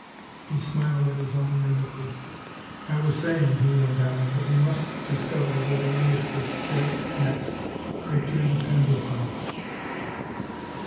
He smiled at his own mimicry. "I was saying," he went on, "that we must discover where the English will strike next. Victory depends upon it."